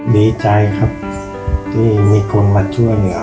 ดีใจครับที่มีคนมาช่วยเหลือ